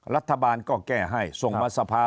รัฐบาลก็แก้ให้ส่งมาสภา